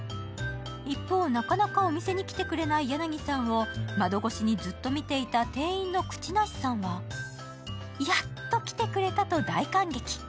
一方、なかなかお店に来てくれないヤナギさんを窓越しにずっと見ていた店員のくちなしさんはやっっっと来てくれた！と大感激。